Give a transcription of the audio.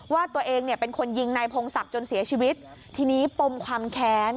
ว่าตัวเองเนี่ยเป็นคนยิงนายพงศักดิ์จนเสียชีวิตทีนี้ปมความแค้น